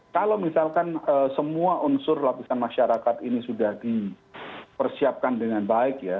kalau misalkan semua unsur lapisan masyarakat ini sudah dipersiapkan dengan baik ya